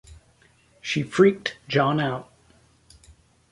She freaked John out.